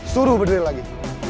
suruh berdiri lagi